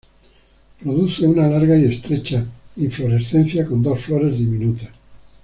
Produce una larga y estrecha inflorescencia con dos flores diminutas.